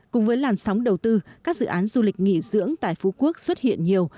cùng với làn sóng đầu tư các dự án du lịch nghỉ dưỡng tại phú quốc xuất hiện nhiều